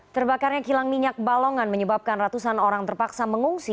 terbakarnya kilang minyak balongan menyebabkan ratusan orang terpaksa mengungsi